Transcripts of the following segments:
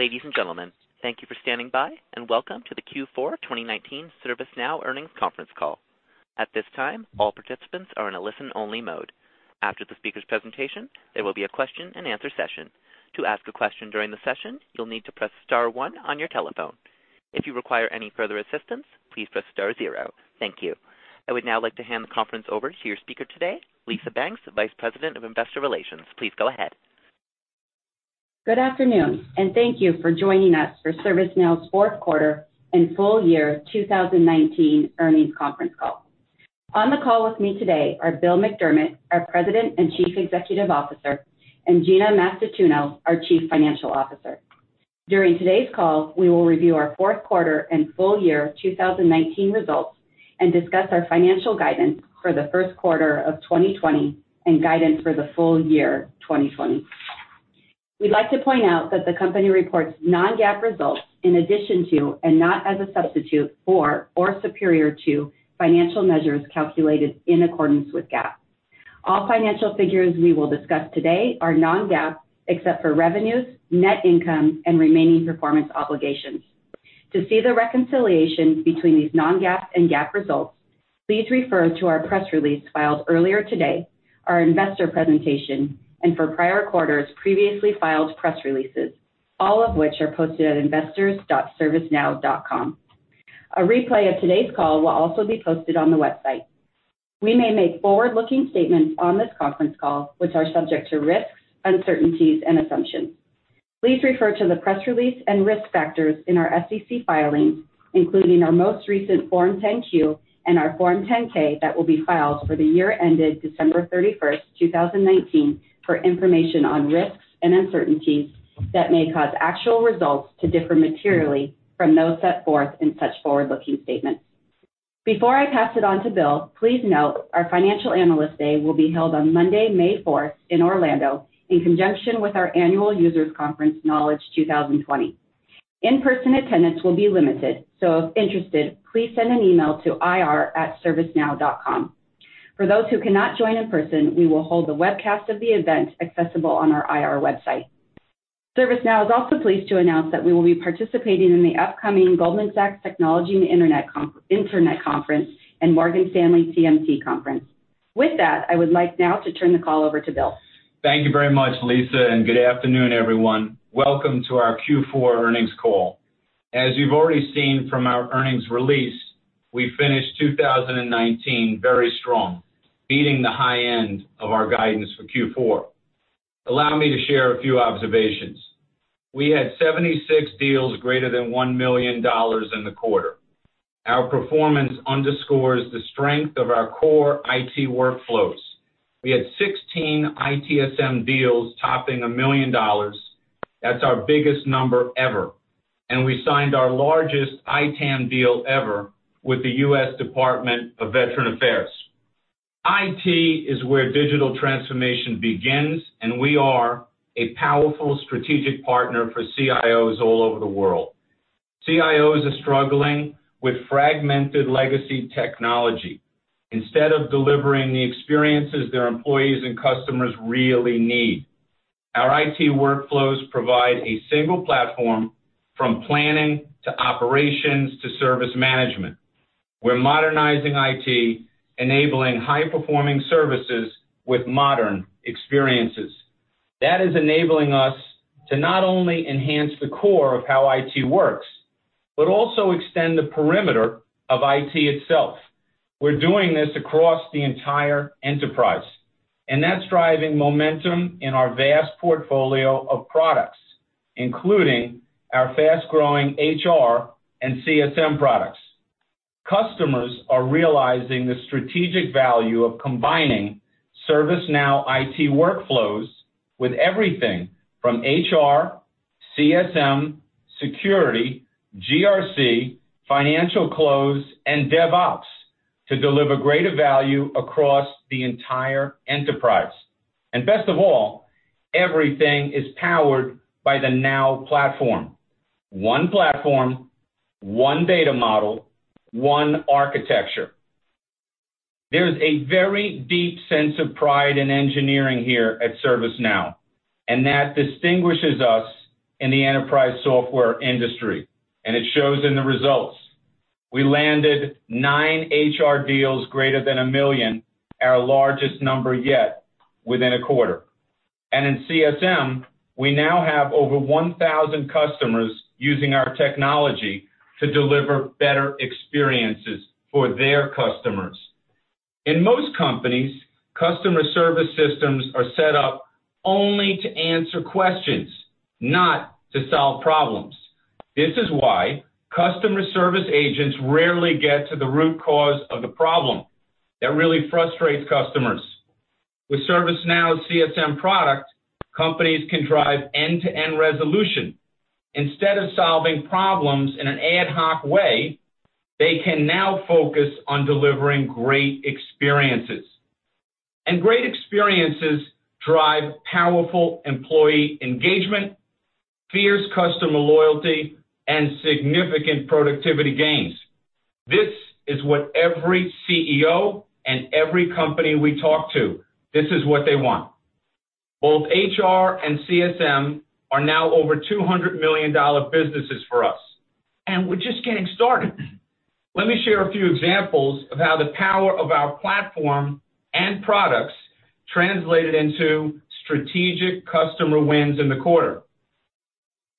Ladies and gentlemen, thank you for standing by, and welcome to the Q4 2019 ServiceNow Earnings Conference Call. At this time, all participants are in a listen-only mode. After the speakers' presentation, there will be a question and answer session. To ask a question during the session, you'll need to press star one on your telephone. If you require any further assistance, please press star zero. Thank you. I would now like to hand the conference over to your speaker today, Lisa Banks, Vice President of Investor Relations. Please go ahead. Good afternoon, and thank you for joining us for ServiceNow's fourth quarter and full year 2019 earnings conference call. On the call with me today are Bill McDermott, our President and Chief Executive Officer, and Gina Mastantuono, our Chief Financial Officer. During today's call, we will review our fourth quarter and full year 2019 results, and discuss our financial guidance for the first quarter of 2020, and guidance for the full year 2020. We'd like to point out that the company reports non-GAAP results in addition to, and not as a substitute for or superior to, financial measures calculated in accordance with GAAP. All financial figures we will discuss today are non-GAAP, except for revenues, net income, and remaining performance obligations. To see the reconciliation between these non-GAAP and GAAP results, please refer to our press release filed earlier today, our investor presentation, and for prior quarters, previously filed press releases, all of which are posted at investors.servicenow.com. A replay of today's call will also be posted on the website. We may make forward-looking statements on this conference call, which are subject to risks, uncertainties, and assumptions. Please refer to the press release and risk factors in our SEC filings, including our most recent Form 10-Q and our Form 10-K that will be filed for the year ended December 31st, 2019, for information on risks and uncertainties that may cause actual results to differ materially from those set forth in such forward-looking statements. Before I pass it on to Bill, please note our Financial Analyst Day will be held on Monday, May 4th in Orlando in conjunction with our annual users conference, Knowledge 2020. In-person attendance will be limited, so if interested, please send an email to ir@servicenow.com. For those who cannot join in person, we will hold a webcast of the event accessible on our IR website. ServiceNow is also pleased to announce that we will be participating in the upcoming Goldman Sachs Technology and Internet Conference and Morgan Stanley TMT Conference. With that, I would like now to turn the call over to Bill. Thank you very much, Lisa, and good afternoon, everyone. Welcome to our Q4 earnings call. As you've already seen from our earnings release, we finished 2019 very strong, beating the high end of our guidance for Q4. Allow me to share a few observations. We had 76 deals greater than $1 million in the quarter. Our performance underscores the strength of our core IT workflows. We had 16 ITSM deals topping $1 million. That's our biggest number ever. We signed our largest IT Asset Management deal ever with the U.S. Department of Veterans Affairs. IT is where digital transformation begins, and we are a powerful strategic partner for CIOs all over the world. CIOs are struggling with fragmented legacy technology instead of delivering the experiences their employees and customers really need. Our IT workflows provide a single platform from planning to operations to service management. We're modernizing IT, enabling high-performing services with modern experiences. That is enabling us to not only enhance the core of how IT works, but also extend the perimeter of IT itself. That's driving momentum in our vast portfolio of products, including our fast-growing HR and CSM products. Customers are realizing the strategic value of combining ServiceNow IT workflows with everything from HR, CSM, security, GRC, financial close, and DevOps to deliver greater value across the entire enterprise. Best of all, everything is powered by the Now Platform. One platform, one data model, one architecture. There's a very deep sense of pride in engineering here at ServiceNow, and that distinguishes us in the enterprise software industry, and it shows in the results. We landed nine HR deals greater than $1 million, our largest number yet within a quarter. In CSM, we now have over 1,000 customers using our technology to deliver better experiences for their customers. In most companies, customer service systems are set up only to answer questions, not to solve problems. This is why customer service agents rarely get to the root cause of the problem. That really frustrates customers. With ServiceNow CSM product, companies can drive end-to-end resolution. Instead of solving problems in an ad hoc way, they can now focus on delivering great experiences. Great experiences drive powerful employee engagement, fierce customer loyalty, and significant productivity gains. This is what every CEO and every company we talk to, this is what they want. Both HR and CSM are now over $200 million businesses for us, and we're just getting started. Let me share a few examples of how the power of our platform and products translated into strategic customer wins in the quarter.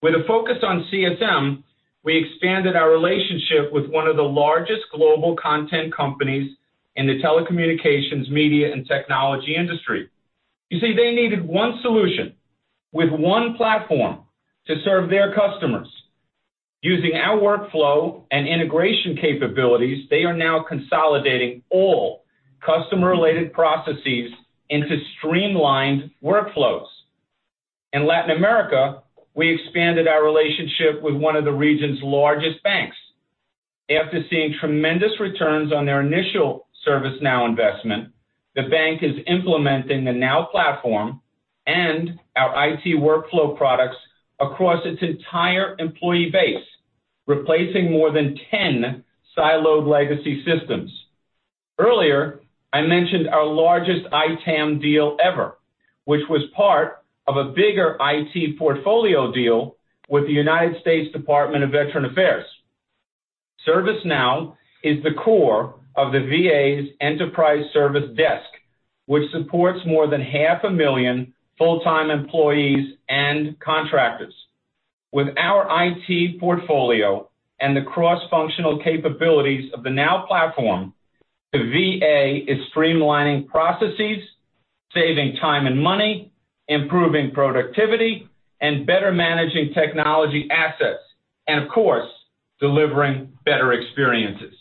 With a focus on CSM, we expanded our relationship with one of the largest global content companies in the telecommunications, media, and technology industry. You see, they needed one solution with one platform to serve their customers. Using our workflow and integration capabilities, they are now consolidating all customer-related processes into streamlined workflows. In Latin America, we expanded our relationship with one of the region's largest banks. After seeing tremendous returns on their initial ServiceNow investment, the bank is implementing the Now Platform and our IT workflow products across its entire employee base, replacing more than 10 siloed legacy systems. Earlier, I mentioned our largest ITAM deal ever, which was part of a bigger IT portfolio deal with the U.S. Department of Veterans Affairs. ServiceNow is the core of the VA's enterprise service desk, which supports more than half a million full-time employees and contractors. With our IT portfolio and the cross-functional capabilities of the Now Platform, the VA is streamlining processes, saving time and money, improving productivity, and better managing technology assets, and of course, delivering better experiences.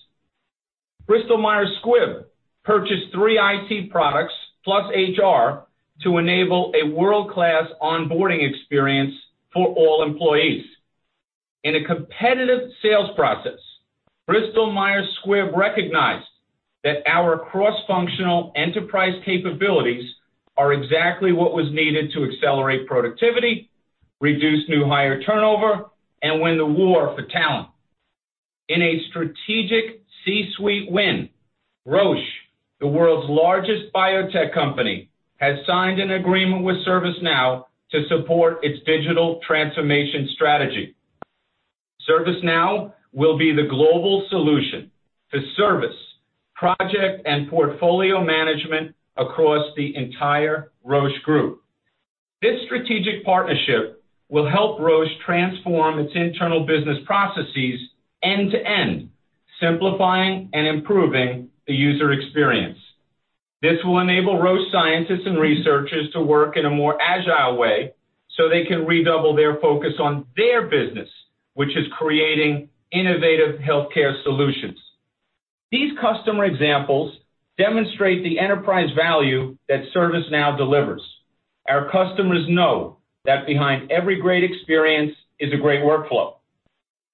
Bristol Myers Squibb purchased three IT products, plus HR, to enable a world-class onboarding experience for all employees. In a competitive sales process, Bristol Myers Squibb recognized that our cross-functional enterprise capabilities are exactly what was needed to accelerate productivity, reduce new hire turnover, and win the war for talent. In a strategic C-suite win, Roche, the world's largest biotech company, has signed an agreement with ServiceNow to support its digital transformation strategy. ServiceNow will be the global solution for service, project, and portfolio management across the entire Roche group. This strategic partnership will help Roche transform its internal business processes end-to-end, simplifying and improving the user experience. This will enable Roche scientists and researchers to work in a more agile way so they can redouble their focus on their business, which is creating innovative healthcare solutions. These customer examples demonstrate the enterprise value that ServiceNow delivers. Our customers know that behind every great experience is a great workflow.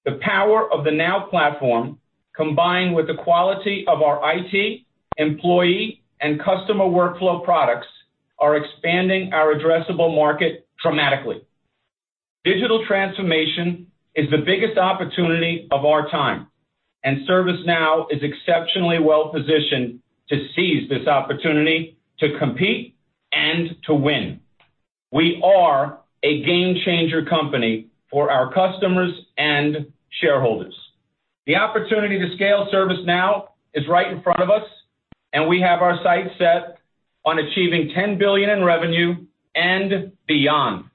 The power of the Now Platform, combined with the quality of our IT, employee, and customer workflow products, are expanding our addressable market dramatically. Digital transformation is the biggest opportunity of our time, and ServiceNow is exceptionally well-positioned to seize this opportunity to compete and to win. We are a game-changer company for our customers and shareholders. The opportunity to scale ServiceNow is right in front of us, and we have our sights set on achieving $10 billion in revenue and beyond.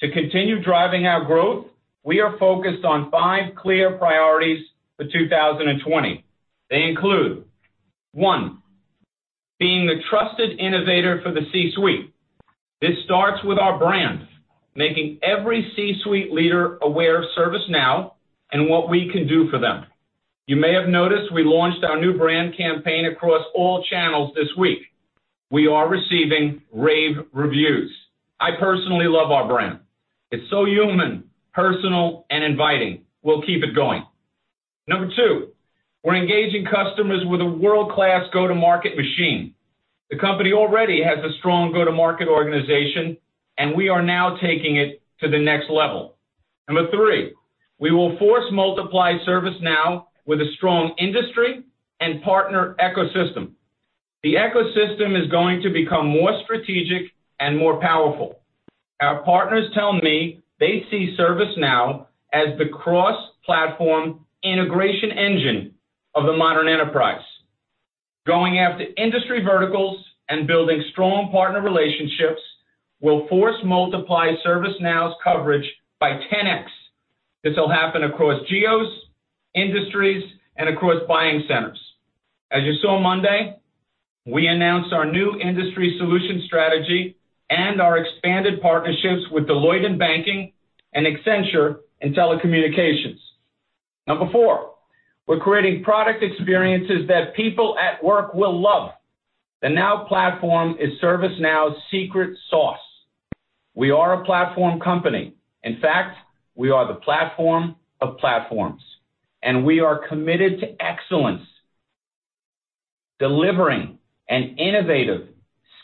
To continue driving our growth, we are focused on five clear priorities for 2020. They include, one, being the trusted innovator for the C-suite. This starts with our brand, making every C-suite leader aware of ServiceNow and what we can do for them. You may have noticed we launched our new brand campaign across all channels this week. We are receiving rave reviews. I personally love our brand. It's so human, personal, and inviting. We'll keep it going. Number two, we're engaging customers with a world-class go-to-market machine. The company already has a strong go-to-market organization, and we are now taking it to the next level. Number three, we will force multiply ServiceNow with a strong industry and partner ecosystem. The ecosystem is going to become more strategic and more powerful. Our partners tell me they see ServiceNow as the cross-platform integration engine of the modern enterprise. Going after industry verticals and building strong partner relationships will force multiply ServiceNow's coverage by 10x. This will happen across geos, industries, and across buying centers. As you saw on Monday, we announced our new industry solution strategy and our expanded partnerships with Deloitte in banking and Accenture in telecommunications. Number four, we're creating product experiences that people at work will love. The Now Platform is ServiceNow's secret sauce. We are a platform company. In fact, we are the platform of platforms, and we are committed to excellence. Delivering an innovative,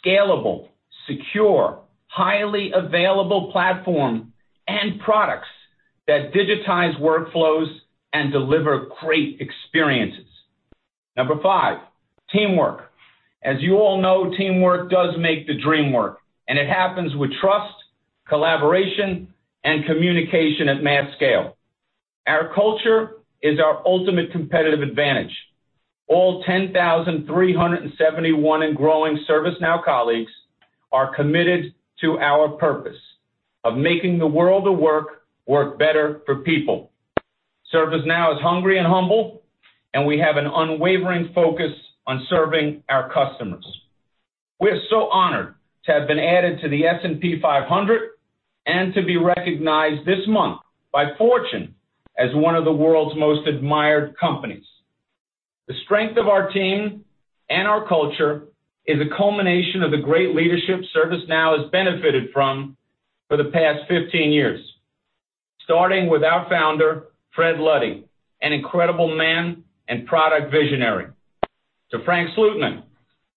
scalable, secure, highly available platform and products that digitize workflows and deliver great experiences. Number five, teamwork. As you all know, teamwork does make the dream work, and it happens with trust, collaboration, and communication at mass scale. Our culture is our ultimate competitive advantage. All 10,371 and growing ServiceNow colleagues are committed to our purpose of making the world of work better for people. ServiceNow is hungry and humble. We have an unwavering focus on serving our customers. We're so honored to have been added to the S&P 500 and to be recognized this month by Fortune as one of the world's most admired companies. The strength of our team and our culture is a culmination of the great leadership ServiceNow has benefited from for the past 15 years. Starting with our founder, Fred Luddy, an incredible man and product visionary, to Frank Slootman,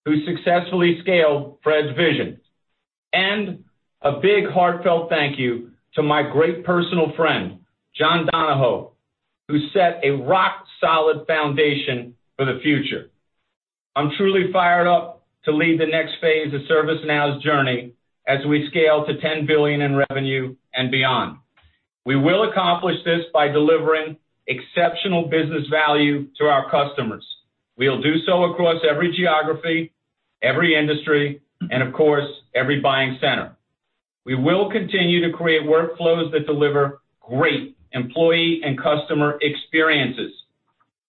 who successfully scaled Fred's vision. A big heartfelt thank you to my great personal friend, John Donahoe, who set a rock-solid foundation for the future. I'm truly fired up to lead the next phase of ServiceNow's journey as we scale to $10 billion in revenue and beyond. We will accomplish this by delivering exceptional business value to our customers. We'll do so across every geography, every industry, and of course, every buying center. We will continue to create workflows that deliver great employee and customer experiences.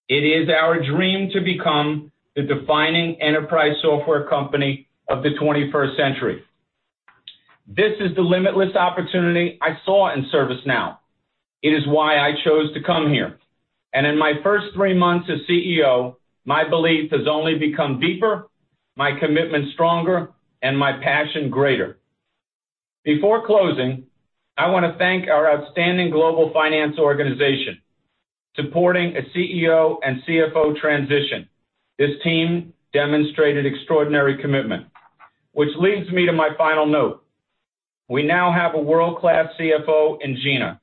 It is our dream to become the defining enterprise software company of the 21st century. This is the limitless opportunity I saw in ServiceNow. It is why I chose to come here. In my first three months as CEO, my belief has only become deeper, my commitment stronger, and my passion greater. Before closing, I want to thank our outstanding global finance organization. Supporting a CEO and CFO transition, this team demonstrated extraordinary commitment. Which leads me to my final note. We now have a world-class CFO in Gina.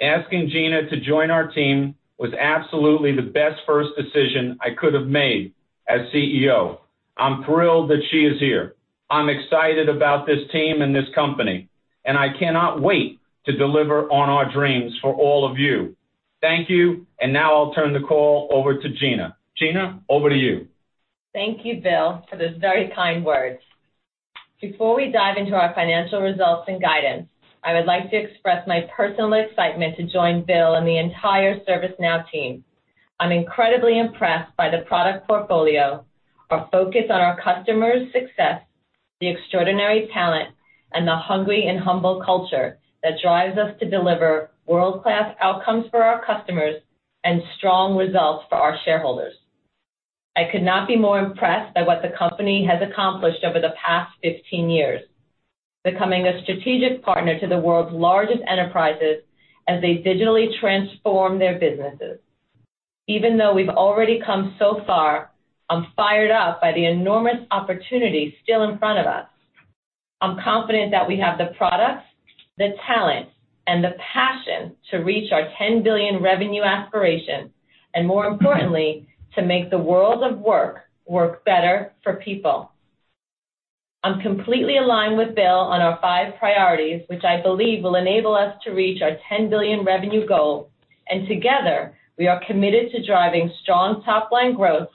Asking Gina to join our team was absolutely the best first decision I could have made as CEO. I'm thrilled that she is here. I'm excited about this team and this company, and I cannot wait to deliver on our dreams for all of you. Thank you. Now I'll turn the call over to Gina. Gina, over to you. Thank you, Bill, for those very kind words. Before we dive into our financial results and guidance, I would like to express my personal excitement to join Bill and the entire ServiceNow team. I'm incredibly impressed by the product portfolio, our focus on our customers' success, the extraordinary talent, and the hungry and humble culture that drives us to deliver world-class outcomes for our customers and strong results for our shareholders. I could not be more impressed by what the company has accomplished over the past 15 years, becoming a strategic partner to the world's largest enterprises as they digitally transform their businesses. Even though we've already come so far, I'm fired up by the enormous opportunity still in front of us. I'm confident that we have the products, the talent, and the passion to reach our $10 billion revenue aspiration, and more importantly, to make the world of work better for people. I'm completely aligned with Bill on our five priorities, which I believe will enable us to reach our $10 billion revenue goal, and together, we are committed to driving strong top-line growth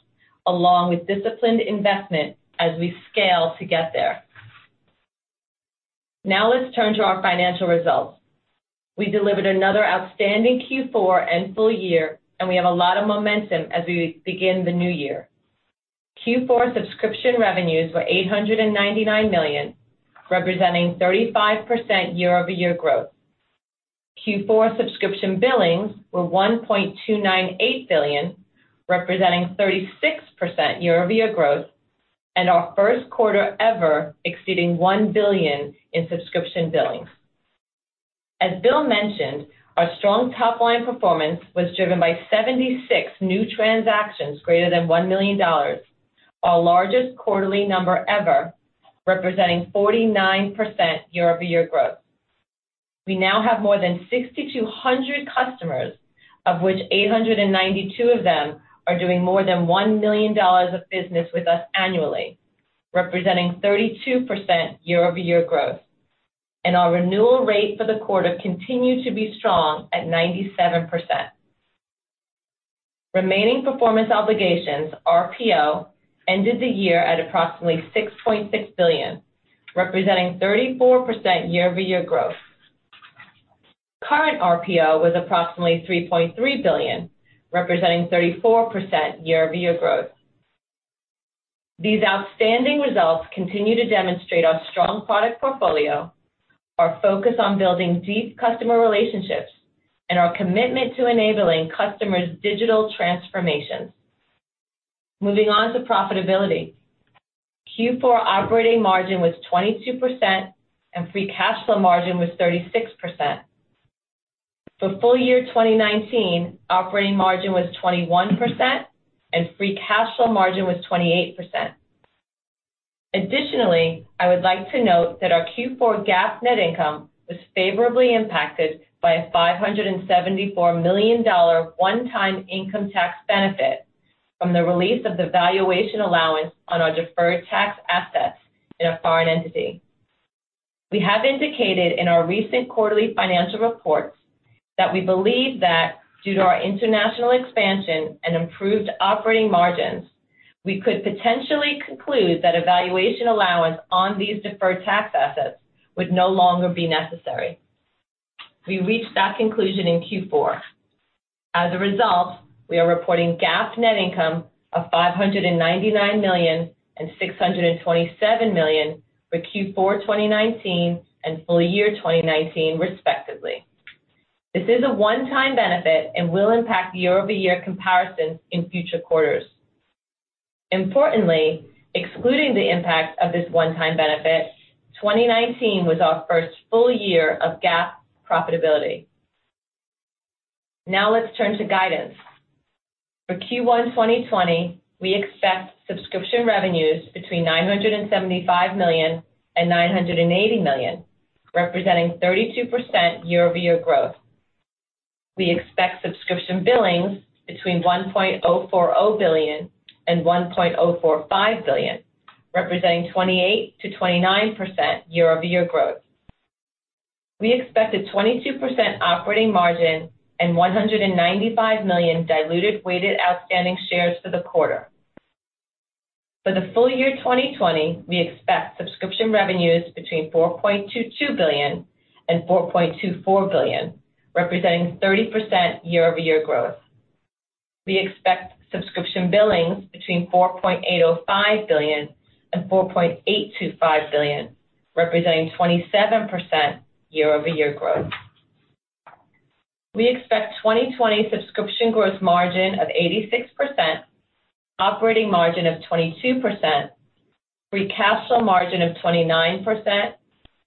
along with disciplined investment as we scale to get there. Now let's turn to our financial results. We delivered another outstanding Q4 and full year, and we have a lot of momentum as we begin the new year. Q4 subscription revenues were $899 million, representing 35% year-over-year growth. Q4 subscription billings were $1.298 billion, representing 36% year-over-year growth, and our first quarter ever exceeding one billion in subscription billings. As Bill mentioned, our strong top-line performance was driven by 76 new transactions greater than $1 million, our largest quarterly number ever, representing 49% year-over-year growth. We now have more than 6,200 customers, of which 892 of them are doing more than $1 million of business with us annually, representing 32% year-over-year growth. Our renewal rate for the quarter continued to be strong at 97%. Remaining performance obligations, RPO, ended the year at approximately $6.6 billion, representing 34% year-over-year growth. Current RPO was approximately $3.3 billion, representing 34% year-over-year growth. These outstanding results continue to demonstrate our strong product portfolio, our focus on building deep customer relationships, and our commitment to enabling customers' digital transformations. Moving on to profitability. Q4 operating margin was 22% and free cash flow margin was 36%. For full year 2019, operating margin was 21%, and free cash flow margin was 28%. Additionally, I would like to note that our Q4 GAAP net income was favorably impacted by a $574 million one-time income tax benefit from the release of the valuation allowance on our deferred tax assets in a foreign entity. We have indicated in our recent quarterly financial reports that we believe that due to our international expansion and improved operating margins, we could potentially conclude that a valuation allowance on these deferred tax assets would no longer be necessary. We reached that conclusion in Q4. As a result, we are reporting GAAP net income of $599 million and $627 million for Q4 2019 and full year 2019 respectively. This is a one-time benefit and will impact year-over-year comparisons in future quarters. Importantly, excluding the impact of this one-time benefit, 2019 was our first full year of GAAP profitability. Now let's turn to guidance. For Q1 2020, we expect subscription revenues between $975 million and $980 million, representing 32% year-over-year growth. We expect subscription billings between $1.040 billion and $1.045 billion, representing 28%-29% year-over-year growth. We expect a 22% operating margin and 195 million diluted weighted outstanding shares for the quarter. For the full year 2020, we expect subscription revenues between $4.22 billion and $4.24 billion, representing 30% year-over-year growth. We expect subscription billings between $4.805 billion and $4.825 billion, representing 27% year-over-year growth. We expect 2020 subscription growth margin of 86%, operating margin of 22%, free cash flow margin of 29%,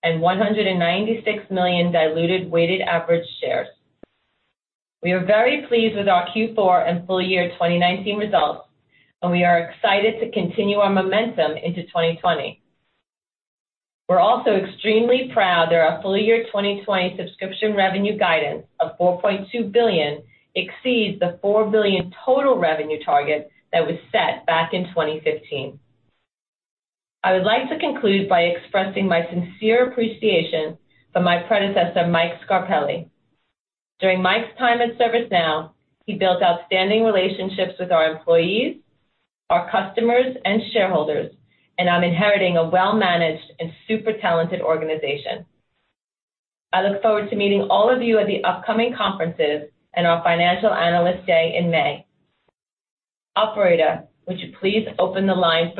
and 196 million diluted weighted average shares. We are very pleased with our Q4 and full year 2019 results, and we are excited to continue our momentum into 2020. We're also extremely proud that our full year 2020 subscription revenue guidance of $4.2 billion exceeds the $4 billion total revenue target that was set back in 2015. I would like to conclude by expressing my sincere appreciation for my predecessor, Michael Scarpelli. During Mike's time at ServiceNow, he built outstanding relationships with our employees, our customers, and shareholders, and I'm inheriting a well-managed and super talented organization. I look forward to meeting all of you at the upcoming conferences and our financial analyst day in May. Operator, would you please open the line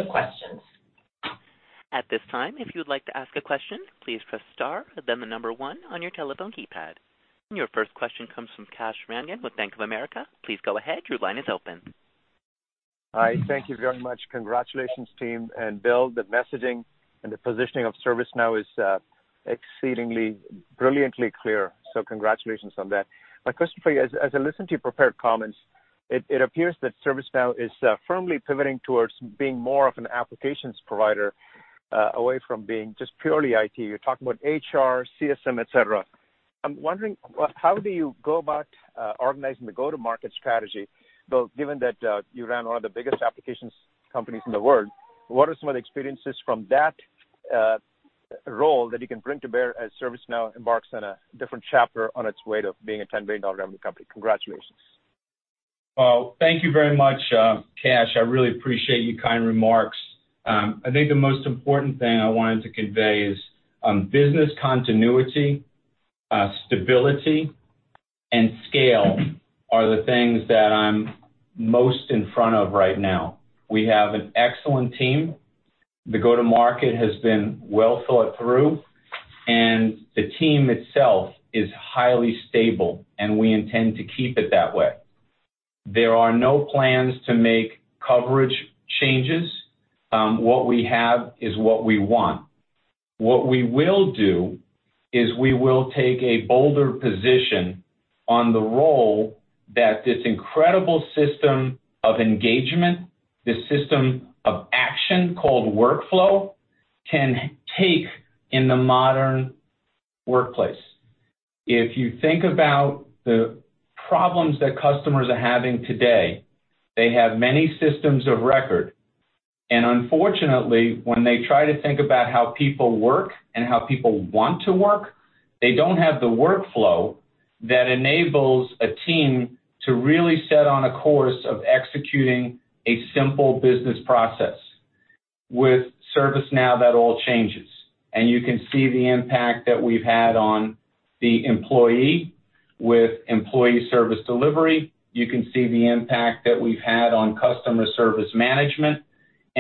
for questions? At this time, if you would like to ask a question, please press star, then the number one on your telephone keypad. Your first question comes from Kash Rangan with Bank of America. Please go ahead, your line is open. Hi. Thank you very much. Congratulations, team. Bill, the messaging and the positioning of ServiceNow is exceedingly brilliantly clear, so congratulations on that. My question for you, as I listen to your prepared comments, it appears that ServiceNow is firmly pivoting towards being more of an applications provider, away from being just purely IT. You're talking about HR, CSM, et cetera. I'm wondering, how do you go about organizing the go-to-market strategy, Bill, given that you ran one of the biggest applications companies in the world, what are some of the experiences from that role that you can bring to bear as ServiceNow embarks on a different chapter on its way to being a $10 billion revenue company? Congratulations. Well, thank you very much, Kash. I really appreciate your kind remarks. I think the most important thing I wanted to convey is business continuity, stability, and scale are the things that I'm most in front of right now. We have an excellent team. The go-to-market has been well thought through, and the team itself is highly stable, and we intend to keep it that way. There are no plans to make coverage changes. What we have is what we want. What we will do is we will take a bolder position on the role that this incredible system of engagement, this system of action called workflow, can take in the modern workplace. If you think about the problems that customers are having today, they have many systems of record. Unfortunately, when they try to think about how people work and how people want to work, they don't have the workflow that enables a team to really set on a course of executing a simple business process. With ServiceNow, that all changes, and you can see the impact that we've had on the employee with HR Service Delivery. You can see the impact that we've had on Customer Service Management,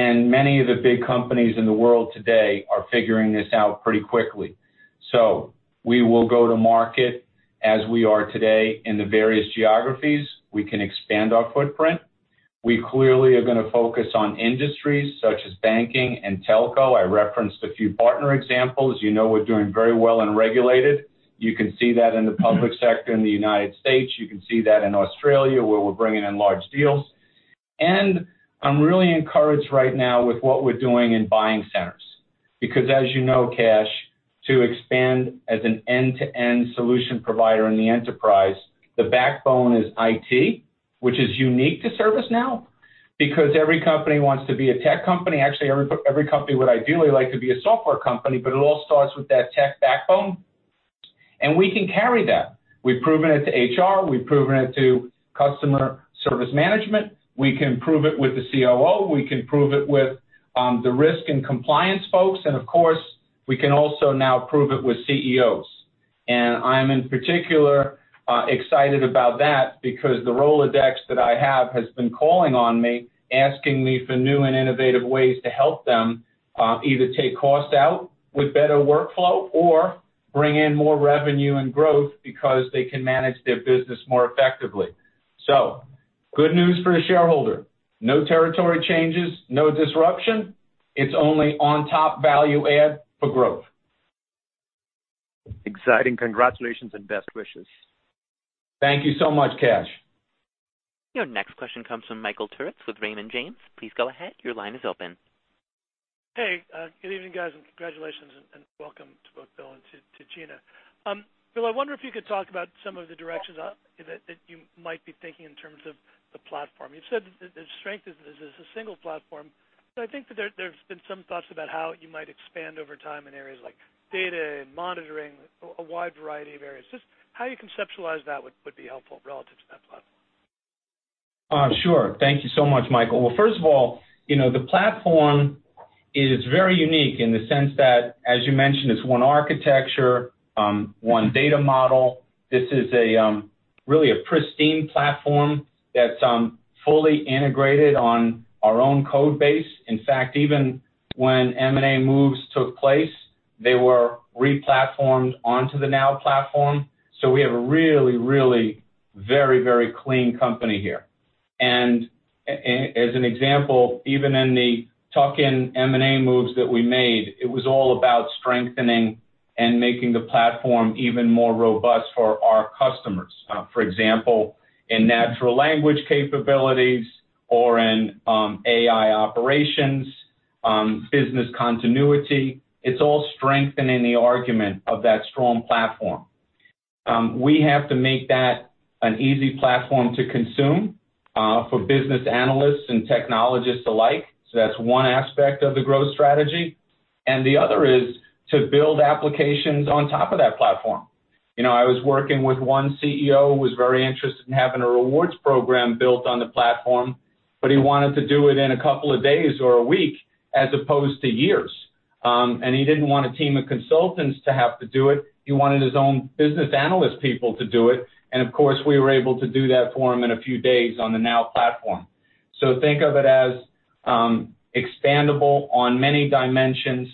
and many of the big companies in the world today are figuring this out pretty quickly. We will go to market as we are today in the various geographies. We can expand our footprint. We clearly are going to focus on industries such as banking and telco. I referenced a few partner examples. You know we're doing very well in regulated. You can see that in the public sector in the United States, you can see that in Australia, where we're bringing in large deals. I'm really encouraged right now with what we're doing in buying centers. As you know, Kash, to expand as an end-to-end solution provider in the enterprise, the backbone is IT, which is unique to ServiceNow, because every company wants to be a tech company. Actually, every company would ideally like to be a software company, it all starts with that tech backbone. We can carry that. We've proven it to HR, we've proven it to Customer Service Management. We can prove it with the COO, we can prove it with the risk and compliance folks, and of course, we can also now prove it with CEOs. I'm in particular excited about that because the Rolodex that I have has been calling on me, asking me for new and innovative ways to help them either take costs out with better workflow or bring in more revenue and growth because they can manage their business more effectively. Good news for a shareholder. No territory changes, no disruption. It's only on top value add for growth. Exciting. Congratulations and best wishes. Thank you so much, Kash. Your next question comes from Michael Turits with Raymond James. Please go ahead. Your line is open. Hey, good evening, guys, and congratulations and welcome to both Bill and to Gina. Bill, I wonder if you could talk about some of the directions that you might be thinking in terms of the platform. You've said the strength is it's a single platform, but I think that there's been some thoughts about how you might expand over time in areas like data and monitoring, a wide variety of areas. Just how you conceptualize that would be helpful relative to that platform. Sure. Thank you so much, Michael. Well, first of all, the platform is very unique in the sense that, as you mentioned, it's one architecture, one data model. This is really a pristine platform that's fully integrated on our own code base. In fact, even when M&A moves took place, they were re-platformed onto the Now Platform. We have a really very clean company here. As an example, even in the tuck-in M&A moves that we made, it was all about strengthening and making the platform even more robust for our customers. For example, in natural language capabilities or in AIOps, business continuity, it's all strengthening the argument of that strong platform. We have to make that an easy platform to consume for business analysts and technologists alike. That's one aspect of the growth strategy. The other is to build applications on top of that platform. I was working with one CEO who was very interested in having a rewards program built on the platform, but he wanted to do it in a couple of days or a week as opposed to years. He didn't want a team of consultants to have to do it. He wanted his own business analyst people to do it. Of course, we were able to do that for him in a few days on the Now Platform. Think of it as expandable on many dimensions.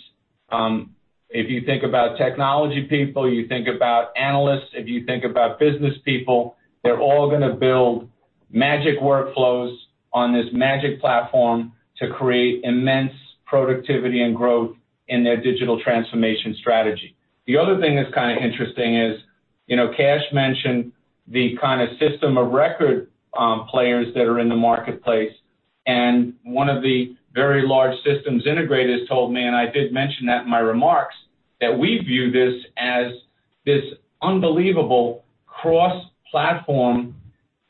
If you think about technology people, you think about analysts, if you think about business people, they're all going to build magic workflows on this magic platform to create immense productivity and growth in their digital transformation strategy. The other thing that's kind of interesting is, Kash mentioned the kind of system of record players that are in the marketplace, and one of the very large systems integrators told me, and I did mention that in my remarks, that we view this as this unbelievable cross-platform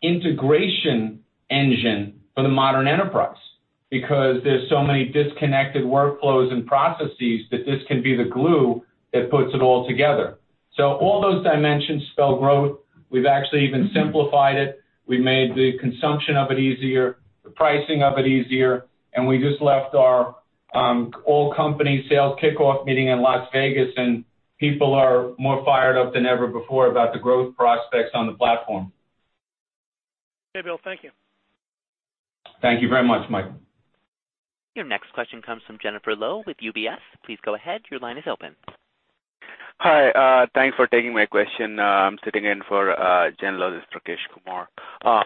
integration engine for the modern enterprise, because there's so many disconnected workflows and processes that this can be the glue that puts it all together. All those dimensions spell growth. We've actually even simplified it. We made the consumption of it easier, the pricing of it easier, and we just left our all-company sales kickoff meeting in Las Vegas, and people are more fired up than ever before about the growth prospects on the platform. Okay, Bill. Thank you. Thank you very much, Michael. Your next question comes from Jennifer Lowe with UBS. Please go ahead. Your line is open. Hi. Thanks for taking my question. I'm sitting in for Jennifer Lowe is Prakash Kumar.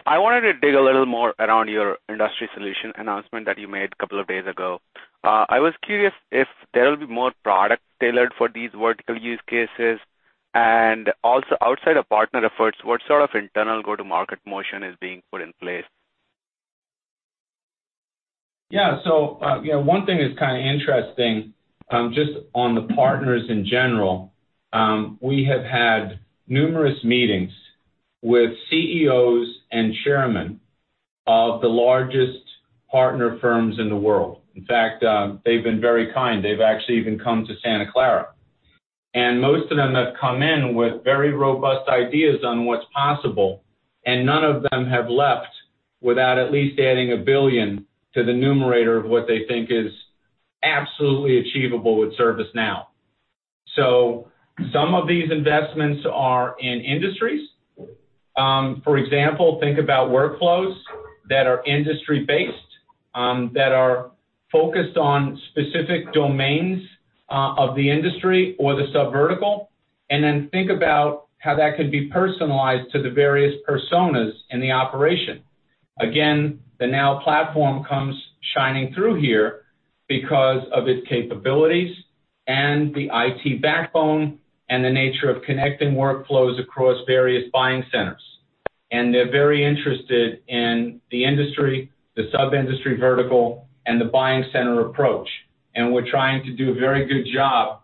I wanted to dig a little more around your industry solution announcement that you made a couple of days ago. I was curious if there will be more product tailored for these vertical use cases, and also outside of partner efforts, what sort of internal go-to-market motion is being put in place? Yeah. One thing that's kind of interesting, just on the partners in general, we have had numerous meetings with CEOs and chairmen of the largest partner firms in the world. In fact, they've been very kind. They've actually even come to Santa Clara. Most of them have come in with very robust ideas on what's possible, and none of them have left without at least adding $1 billion to the numerator of what they think is absolutely achievable with ServiceNow. Some of these investments are in industries. For example, think about workflows that are industry-based that are focused on specific domains of the industry or the sub-vertical, and then think about how that could be personalized to the various personas in the operation. Again, the Now Platform comes shining through here because of its capabilities and the IT backbone and the nature of connecting workflows across various buying centers. They're very interested in the industry, the sub-industry vertical, and the buying center approach. We're trying to do a very good job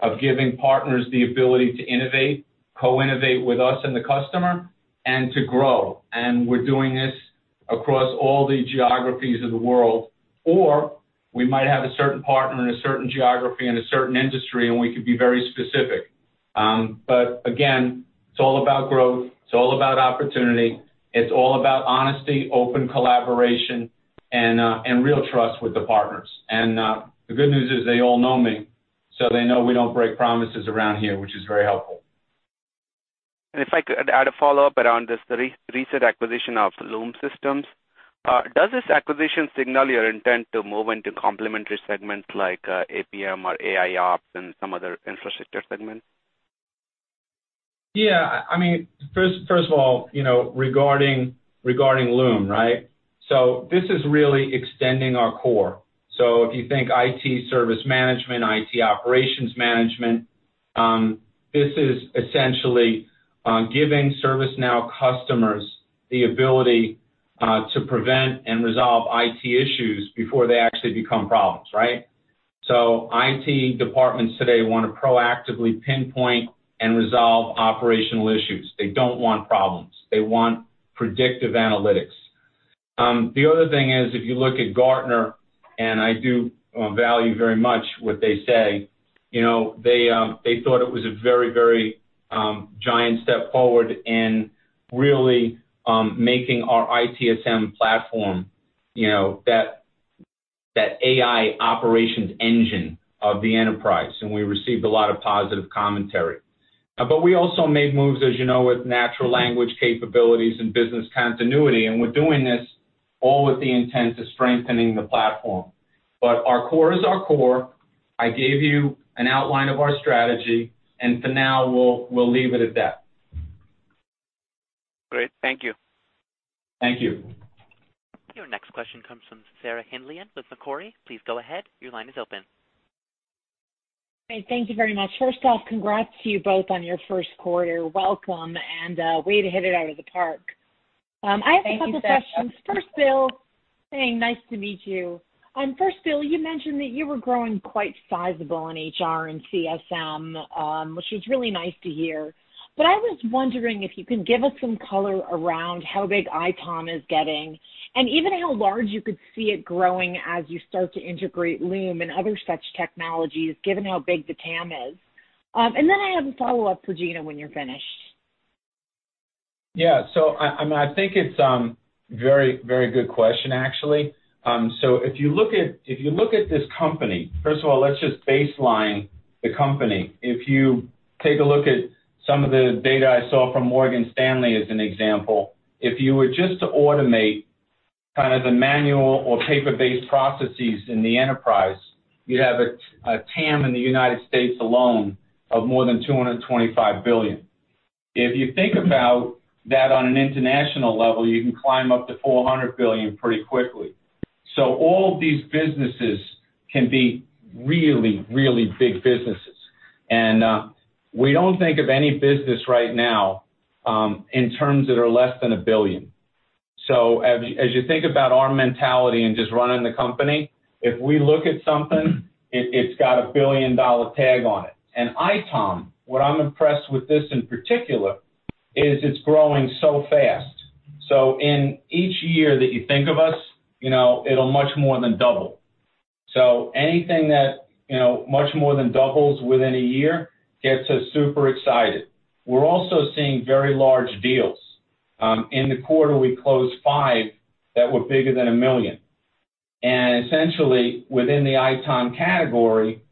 of giving partners the ability to innovate, co-innovate with us and the customer, and to grow. We might have a certain partner in a certain geography in a certain industry, and we could be very specific. Again, it's all about growth, it's all about opportunity, it's all about honesty, open collaboration, and real trust with the partners. The good news is they all know me, so they know we don't break promises around here, which is very helpful. If I could add a follow-up around this recent acquisition of Loom Systems. Does this acquisition signal your intent to move into complementary segments like APM or AIOps and some other infrastructure segments? First of all, regarding Loom, right? This is really extending our core. If you think IT Service Management, IT Operations Management, this is essentially giving ServiceNow customers the ability to prevent and resolve IT issues before they actually become problems, right? IT departments today want to proactively pinpoint and resolve operational issues. They don't want problems. They want predictive analytics. The other thing is, if you look at Gartner, and I do value very much what they say, they thought it was a very giant step forward in really making our ITSM platform that AI operations engine of the enterprise, and we received a lot of positive commentary. We also made moves, as you know, with natural language capabilities and business continuity, and we're doing this all with the intent of strengthening the platform. Our core is our core. I gave you an outline of our strategy, and for now, we'll leave it at that. Great. Thank you. Thank you. Your next question comes from Sarah Hindlian-Bowler with Macquarie. Please go ahead. Your line is open. Great. Thank you very much. First off, congrats to you both on your first quarter. Welcome, and way to hit it out of the park. Thank you, Sarah. I have a couple questions. First, Bill. Hey, nice to meet you. First, Bill, you mentioned that you were growing quite sizable in HR and CSM, which was really nice to hear. I was wondering if you could give us some color around how big ITOM is getting and even how large you could see it growing as you start to integrate Loom and other such technologies, given how big the TAM is. I have a follow-up for Gina when you're finished. I think it's a very good question, actually. If you look at this company, first of all, let's just baseline the company. If you take a look at some of the data I saw from Morgan Stanley as an example, if you were just to automate kind of the manual or paper-based processes in the enterprise, you'd have a TAM in the U.S. alone of more than $225 billion. If you think about that on an international level, you can climb up to $400 billion pretty quickly. All of these businesses can be really big businesses. We don't think of any business right now in terms that are less than $1 billion. As you think about our mentality in just running the company, if we look at something, it's got a billion-dollar tag on it. ITOM, what I'm impressed with this, in particular, is it's growing so fast. In each year that you think of us, it'll much more than double. Anything that much more than doubles within a year gets us super excited. We're also seeing very large deals. In the quarter, we closed five that were bigger than $1 million. Essentially, within the ITOM category,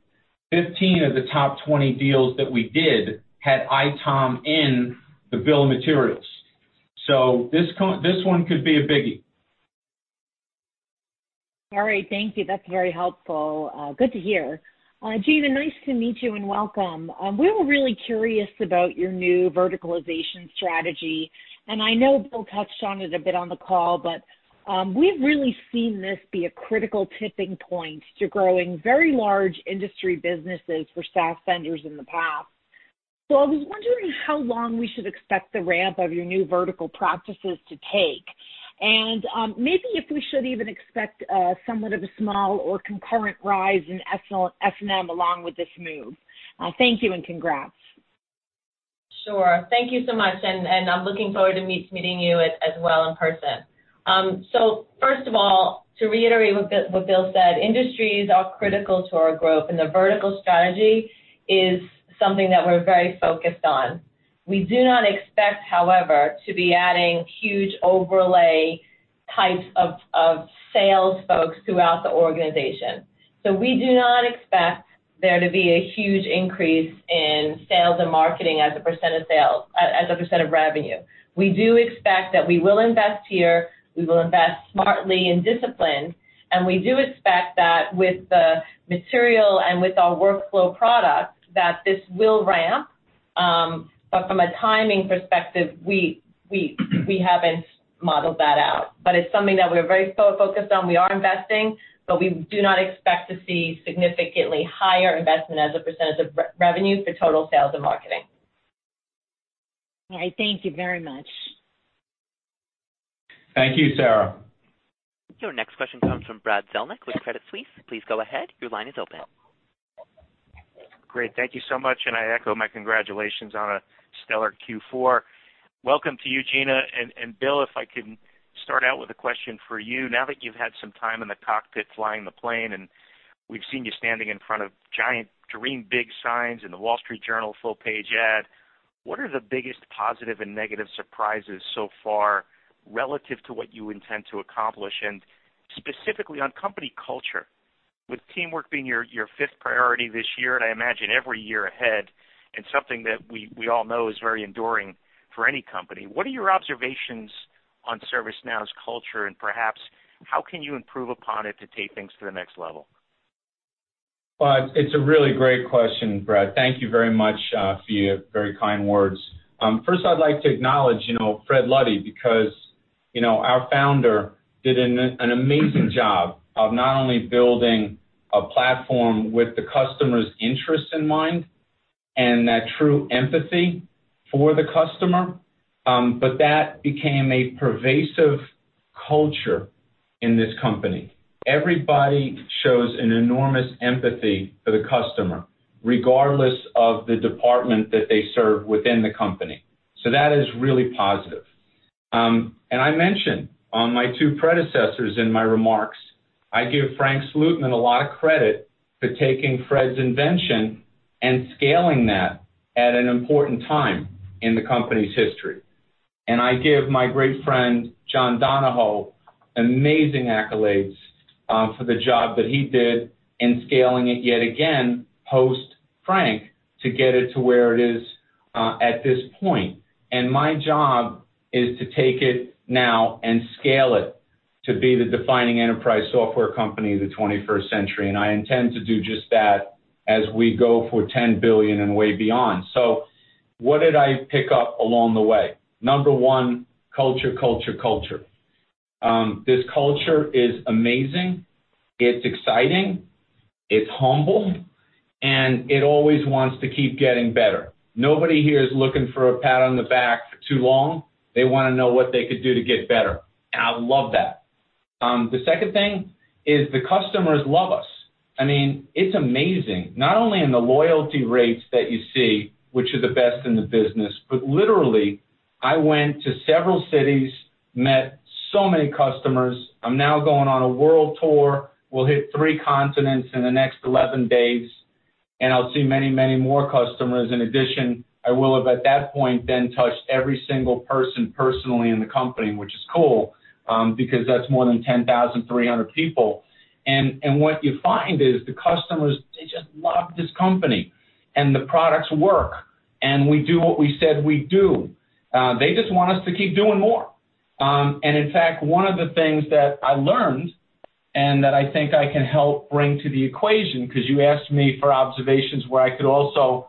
15 of the top 20 deals that we did had ITOM in the bill of materials. This one could be a biggie. All right. Thank you. That's very helpful. Good to hear. Gina, nice to meet you, and welcome. We were really curious about your new verticalization strategy. I know Bill touched on it a bit on the call, but we've really seen this be a critical tipping point to growing very large industry businesses for SaaS vendors in the past. I was wondering how long we should expect the ramp of your new vertical practices to take and maybe if we should even expect somewhat of a small or concurrent rise in S&M along with this move. Thank you, and congrats. Sure. Thank you so much, and I'm looking forward to meeting you as well in person. First of all, to reiterate what Bill said, industries are critical to our growth, and the vertical strategy is something that we're very focused on. We do not expect, however, to be adding huge overlay types of sales folks throughout the organization. We do not expect there to be a huge increase in sales and marketing as a percent of revenue. We do expect that we will invest here, we will invest smartly and disciplined, and we do expect that with the material and with our workflow products, that this will ramp. From a timing perspective, we haven't modeled that out. It's something that we're very focused on. We are investing, but we do not expect to see significantly higher investment as a percent of revenue for total sales and marketing. All right. Thank you very much. Thank you, Sarah. Your next question comes from Brad Zelnick with Credit Suisse. Please go ahead. Your line is open. Great. Thank you so much. I echo my congratulations on a stellar Q4. Welcome to you, Gina, and Bill, if I can start out with a question for you. Now that you've had some time in the cockpit flying the plane, and we've seen you standing in front of giant Dream Big signs and The Wall Street Journal full-page ad, what are the biggest positive and negative surprises so far relative to what you intend to accomplish? Specifically on company culture, with teamwork being your fifth priority this year and I imagine every year ahead, and something that we all know is very enduring for any company, what are your observations on ServiceNow's culture, and perhaps how can you improve upon it to take things to the next level? Well, it's a really great question, Brad. Thank you very much for your very kind words. First, I'd like to acknowledge Fred Luddy because our founder did an amazing job of not only building a platform with the customer's interests in mind and that true empathy for the customer, but that became a pervasive culture in this company. Everybody shows an enormous empathy for the customer, regardless of the department that they serve within the company. That is really positive. I mentioned my two predecessors in my remarks. I give Frank Slootman a lot of credit for taking Fred's invention and scaling that at an important time in the company's history. I give my great friend, John Donahoe, amazing accolades for the job that he did in scaling it yet again, post-Frank, to get it to where it is at this point. My job is to take it now and scale it to be the defining enterprise software company of the 21st century, and I intend to do just that as we go for $10 billion and way beyond. What did I pick up along the way? Number one, culture, culture. This culture is amazing, it's exciting, it's humble, and it always wants to keep getting better. Nobody here is looking for a pat on the back for too long. They want to know what they could do to get better. I love that. The second thing is the customers love us. It's amazing. Not only in the loyalty rates that you see, which are the best in the business, but literally, I went to several cities, met so many customers. I'm now going on a world tour. We'll hit three continents in the next 11 days, and I'll see many, many more customers. In addition, I will have, at that point, then touched every single person personally in the company, which is cool, because that's more than 10,300 people. What you find is the customers, they just love this company, and the products work, and we do what we said we'd do. They just want us to keep doing more. In fact, one of the things that I learned and that I think I can help bring to the equation, because you asked me for observations where I could also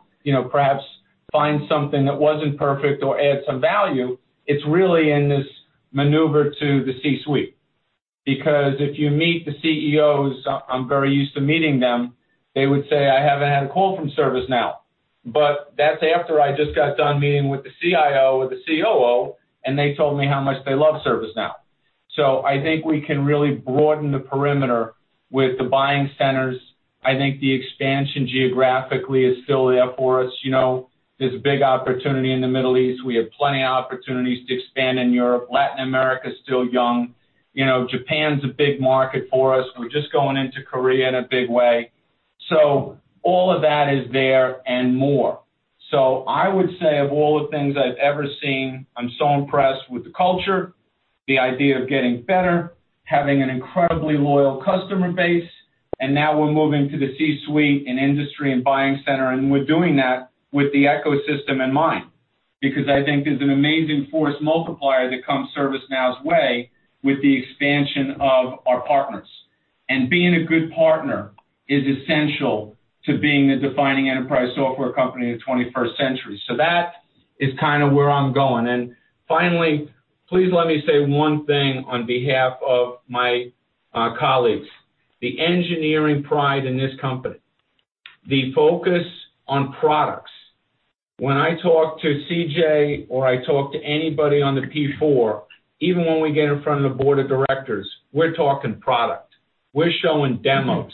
perhaps find something that wasn't perfect or add some value, it's really in this maneuver to the C-suite. If you meet the CEOs, I'm very used to meeting them, they would say, "I haven't had a call from ServiceNow." That's after I just got done meeting with the CIO or the COO, and they told me how much they love ServiceNow. I think we can really broaden the perimeter with the buying centers. I think the expansion geographically is still there for us. There's a big opportunity in the Middle East. We have plenty of opportunities to expand in Europe. Latin America is still young. Japan's a big market for us. We're just going into Korea in a big way. All of that is there and more. I would say of all the things I've ever seen, I'm so impressed with the culture, the idea of getting better, having an incredibly loyal customer base, and now we're moving to the C-suite and industry and buying center, and we're doing that with the ecosystem in mind. I think there's an amazing force multiplier that comes ServiceNow's way with the expansion of our partners. Being a good partner is essential to being the defining enterprise software company in the 21st century. That is kind of where I'm going. Finally, please let me say one thing on behalf of my colleagues. The engineering pride in this company, the focus on products. When I talk to CJ or I talk to anybody on the P4, even when we get in front of the board of directors, we're talking product. We're showing demos.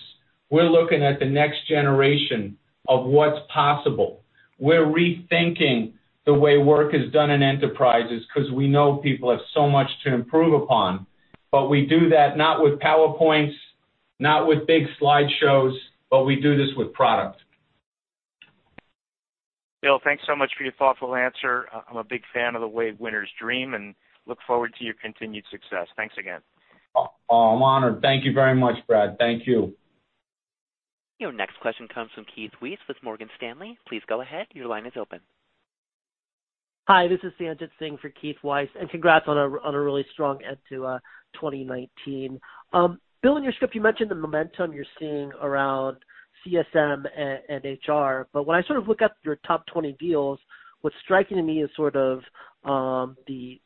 We're looking at the next generation of what's possible. We're rethinking the way work is done in enterprises because we know people have so much to improve upon. We do that not with PowerPoints, not with big slideshows, but we do this with product. Bill, thanks so much for your thoughtful answer. I'm a big fan of the Way Winners dream and look forward to your continued success. Thanks again. Oh, I'm honored. Thank you very much, Brad. Thank you. Your next question comes from Keith Weiss with Morgan Stanley. Please go ahead. Your line is open. Hi, this is Sanjit Singh for Keith Weiss. Congrats on a really strong end to 2019. Bill, in your script, you mentioned the momentum you're seeing around CSM and HR. When I sort of look up your top 20 deals, what's striking to me is sort of the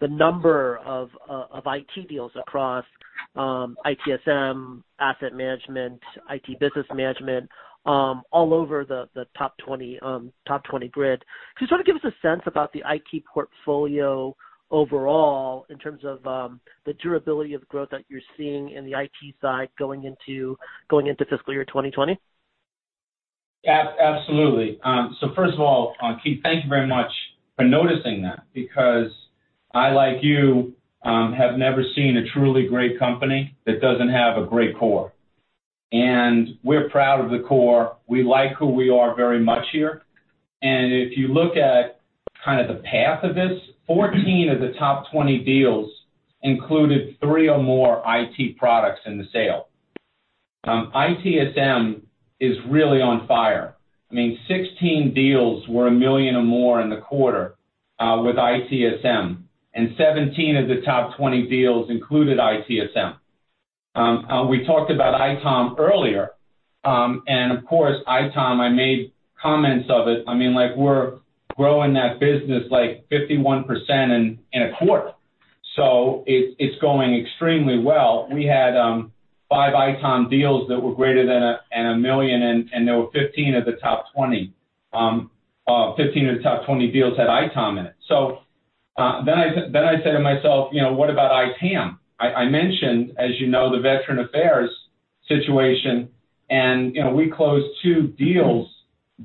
number of IT deals across ITSM, Asset Management, IT Business Management, all over the top 20 grid. I just want to give us a sense about the IT portfolio overall in terms of the durability of growth that you're seeing in the IT side going into fiscal year 2020. Absolutely. First of all, Singh, thank you very much for noticing that because I, like you, have never seen a truly great company that doesn't have a great core. We're proud of the core. We like who we are very much here. If you look at kind of the path of this, 14 of the top 20 deals included three or more IT products in the sale. ITSM is really on fire. I mean, 16 deals were $1 million or more in the quarter, with ITSM. 17 of the top 20 deals included ITSM. We talked about ITOM earlier. Of course, ITOM, I made comments of it. I mean, we're growing that business like 51% in a quarter. It's going extremely well. We had five ITOM deals that were greater than a million. There were 15 of the top 20 deals had ITOM in it. I said to myself, "What about ITAM?" I mentioned, as you know, the Veterans Affairs situation, and we closed two deals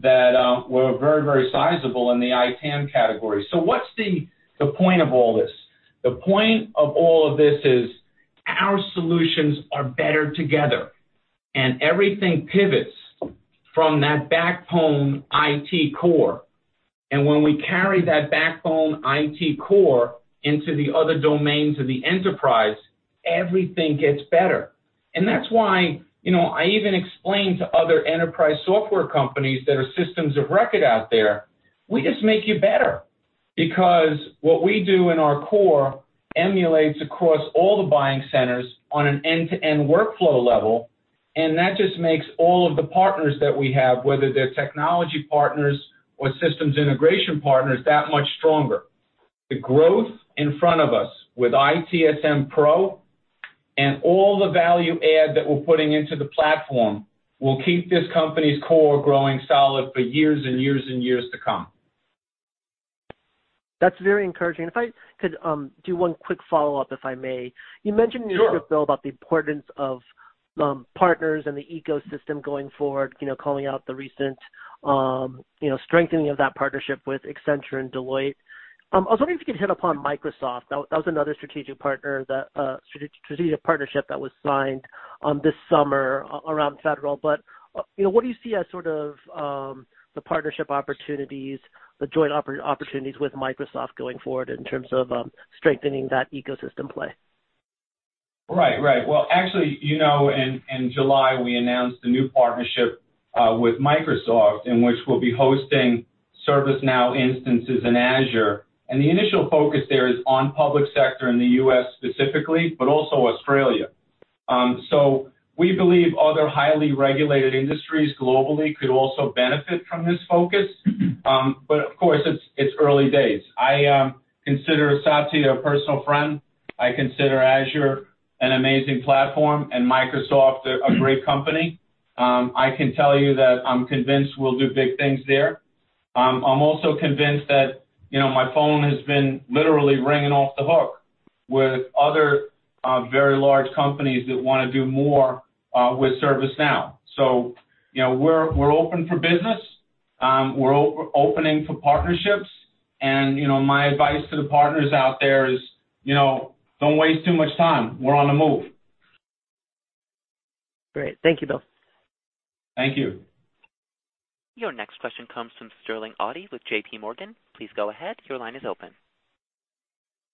that were very, very sizable in the ITAM category. What's the point of all this? The point of all of this is our solutions are better together, and everything pivots from that backbone IT core. When we carry that backbone IT core into the other domains of the enterprise, everything gets better. That's why I even explain to other enterprise software companies that are systems of record out there, we just make you better. Because what we do in our core emulates across all the buying centers on an end-to-end workflow level, and that just makes all of the partners that we have, whether they're technology partners or systems integration partners, that much stronger. The growth in front of us with ITSM Pro and all the value add that we're putting into the platform will keep this company's core growing solid for years and years and years to come. That's very encouraging. If I could do one quick follow-up, if I may. Sure. You mentioned in your script, Bill, about the importance of partners and the ecosystem going forward, calling out the recent strengthening of that partnership with Accenture and Deloitte. I was wondering if you could hit upon Microsoft. That was another strategic partnership that was signed this summer around federal. What do you see as sort of the partnership opportunities, the joint opportunities with Microsoft going forward in terms of strengthening that ecosystem play? Right. Well, actually, in July, we announced a new partnership with Microsoft, in which we'll be hosting ServiceNow instances in Azure. The initial focus there is on public sector in the U.S. specifically, but also Australia. We believe other highly regulated industries globally could also benefit from this focus. Of course, it's early days. I consider Satya a personal friend. I consider Azure an amazing platform and Microsoft a great company. I can tell you that I'm convinced we'll do big things there. I'm also convinced that my phone has been literally ringing off the hook with other very large companies that want to do more with ServiceNow. We're open for business. We're opening for partnerships. My advice to the partners out there is, don't waste too much time. We're on the move. Great. Thank you, Bill. Thank you. Your next question comes from Sterling Auty with JPMorgan. Please go ahead. Your line is open.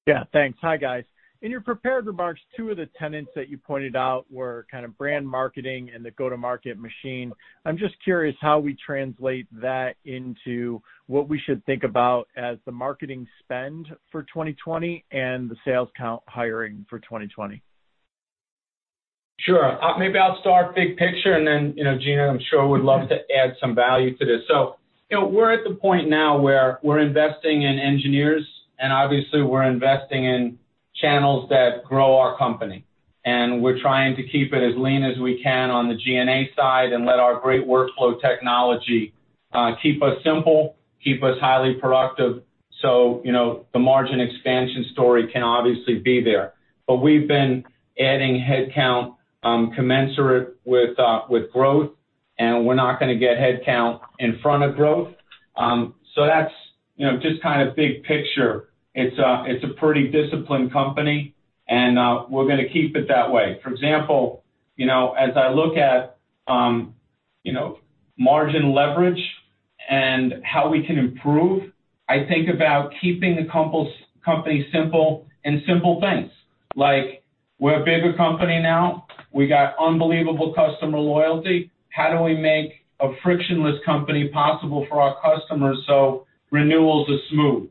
Yeah, thanks. Hi, guys. In your prepared remarks, two of the tenets that you pointed out were kind of brand marketing and the go-to-market machine. I'm just curious how we translate that into what we should think about as the marketing spend for 2020 and the sales count hiring for 2020. Sure. Maybe I'll start big picture, and then Gina, I'm sure, would love to add some value to this. We're at the point now where we're investing in engineers, and obviously, we're investing in channels that grow our company. We're trying to keep it as lean as we can on the G&A side and let our great workflow technology keep us simple, keep us highly productive, so the margin expansion story can obviously be there. We've been adding headcount commensurate with growth, and we're not going to get headcount in front of growth. That's just kind of big picture, it's a pretty disciplined company, and we're going to keep it that way. For example, as I look at margin leverage and how we can improve, I think about keeping the company simple in simple things. Like we're a bigger company now. We got unbelievable customer loyalty. How do we make a frictionless company possible for our customers so renewals are smooth,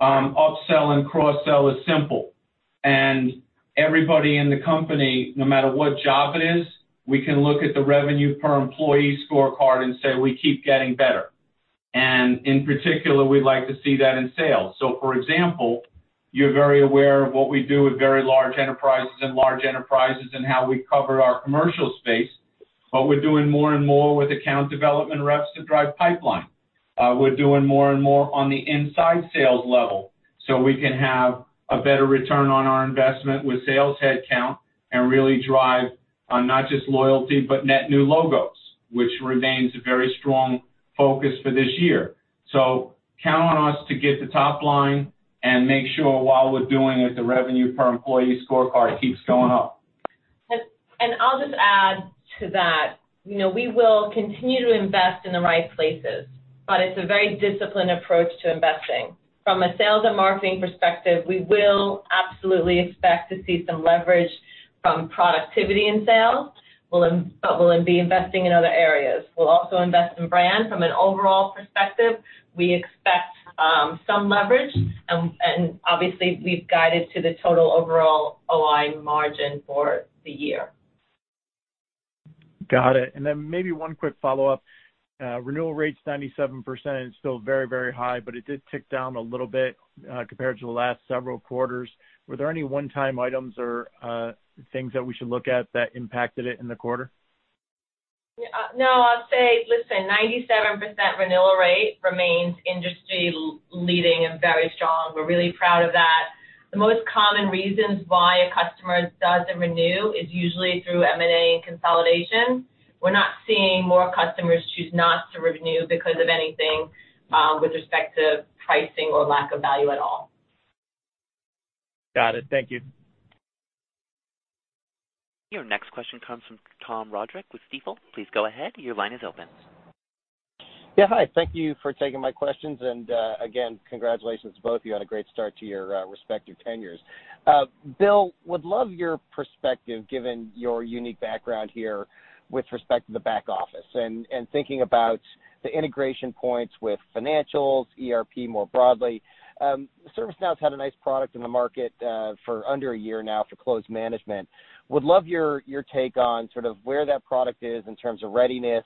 up-sell and cross-sell is simple? Everybody in the company, no matter what job it is, we can look at the revenue per employee scorecard and say we keep getting better. In particular, we'd like to see that in sales. For example, you're very aware of what we do with very large enterprises and large enterprises and how we cover our commercial space, but we're doing more and more with account development reps to drive pipeline. We're doing more and more on the inside sales level so we can have a better return on our investment with sales headcount and really drive on not just loyalty but net new logos, which remains a very strong focus for this year. Count on us to get the top line and make sure while we're doing it, the revenue per employee scorecard keeps going up. I'll just add to that. We will continue to invest in the right places, but it's a very disciplined approach to investing. From a sales and marketing perspective, we will absolutely expect to see some leverage from productivity in sales, but we'll then be investing in other areas. We'll also invest in brand. From an overall perspective, we expect some leverage, and obviously, we've guided to the total overall op-line margin for the year. Got it. Maybe one quick follow-up. Renewal rates, 97% is still very high, but it did tick down a little bit, compared to the last several quarters. Were there any one-time items or things that we should look at that impacted it in the quarter? I'll say, listen, 97% renewal rate remains industry-leading and very strong. We're really proud of that. The most common reasons why a customer doesn't renew is usually through M&A and consolidation. We're not seeing more customers choose not to renew because of anything with respect to pricing or lack of value at all. Got it. Thank you. Your next question comes from Tom Roderick with Stifel. Please go ahead. Your line is open. Hi, thank you for taking my questions. Again, congratulations to both of you on a great start to your respective tenures. Bill, would love your perspective, given your unique background here with respect to the back office and thinking about the integration points with financials, ERP more broadly. ServiceNow's had a nice product in the market for under a year now for close management. Would love your take on sort of where that product is in terms of readiness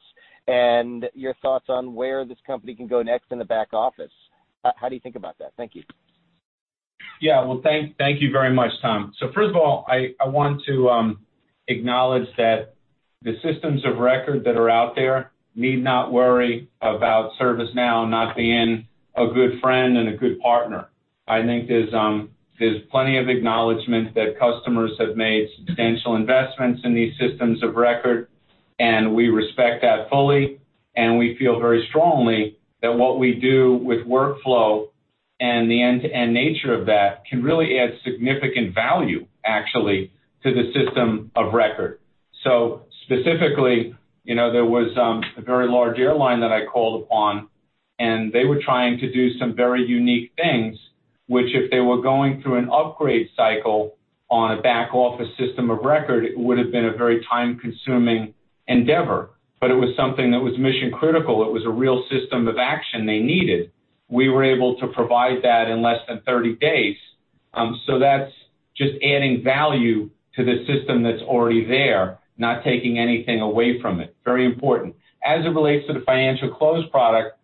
and your thoughts on where this company can go next in the back office. How do you think about that? Thank you. Well, thank you very much, Tom. First of all, I want to acknowledge that the systems of record that are out there need not worry about ServiceNow not being a good friend and a good partner. I think there's plenty of acknowledgment that customers have made substantial investments in these systems of record, and we respect that fully, and we feel very strongly that what we do with workflow and the end-to-end nature of that can really add significant value, actually, to the system of record. Specifically, there was a very large airline that I called upon, and they were trying to do some very unique things, which if they were going through an upgrade cycle on a back-office system of record, it would've been a very time-consuming endeavor. It was something that was mission-critical. It was a real system of action they needed. We were able to provide that in less than 30 days. That's just adding value to the system that's already there, not taking anything away from it. Very important. As it relates to the financial close product,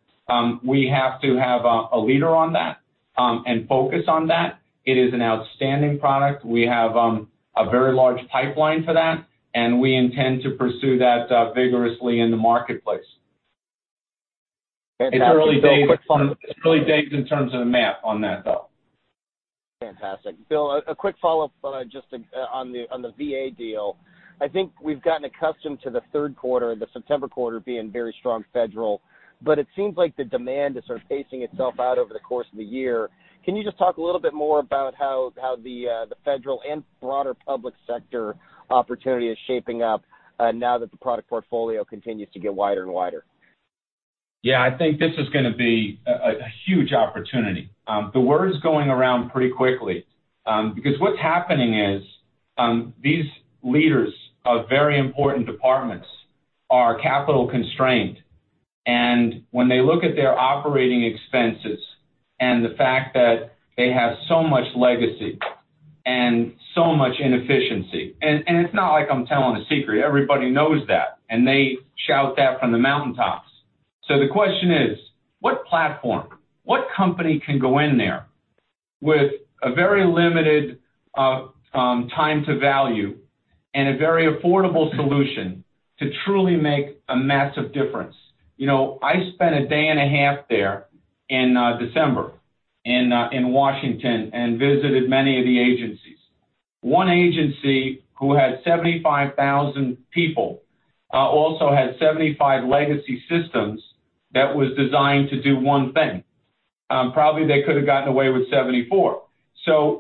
we have to have a leader on that, and focus on that. It is an outstanding product. We have a very large pipeline for that, and we intend to pursue that vigorously in the marketplace. It's early days. Fantastic. Bill, quick follow-up. It's early days in terms of the map on that, though. Fantastic. Bill, a quick follow-up just on the VA deal. I think we've gotten accustomed to the third quarter, the September quarter, being very strong federal, but it seems like the demand is sort of pacing itself out over the course of the year. Can you just talk a little bit more about how the federal and broader public sector opportunity is shaping up now that the product portfolio continues to get wider and wider? Yeah, I think this is going to be a huge opportunity. The word is going around pretty quickly, because what's happening is these leaders of very important departments are capital-constrained. When they look at their operating expenses and the fact that they have so much legacy and so much inefficiency, and it's not like I'm telling a secret, everybody knows that, and they shout that from the mountaintops. The question is, what platform? What company can go in there with a very limited time to value and a very affordable solution to truly make a massive difference? I spent a day and a half there in December in Washington and visited many of the agencies. One agency who had 75,000 people also had 75 legacy systems that was designed to do one thing. Probably they could've gotten away with 74.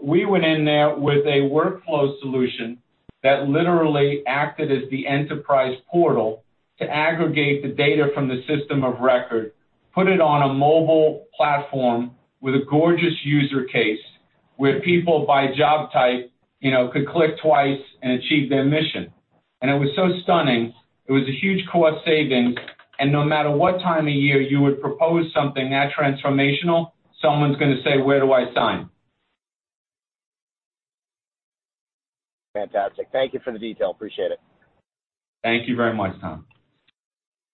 We went in there with a workflow solution that literally acted as the enterprise portal to aggregate the data from the system of record, put it on a mobile platform with a gorgeous use case, where people by job type could click twice and achieve their mission. It was so stunning. It was a huge cost saving, and no matter what time of year you would propose something that transformational, someone's going to say, "Where do I sign? Fantastic. Thank you for the detail. Appreciate it. Thank you very much, Tom.